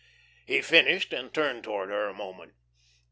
He finished and turned towards her a moment.